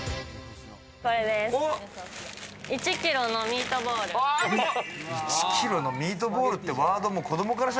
これです、１キロのミートボール。